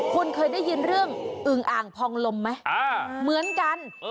คุณเคยได้ยินเรื่องอึงอ่างพองลมไหมเหมือนกัน